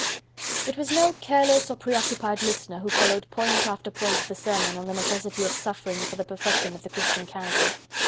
It was no careless or preoccupied listener who followed point after point of the sermon on the necessity of suffering for the perfecting of the Christian character.